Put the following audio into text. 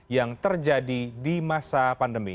yang terjadi di masa pandemi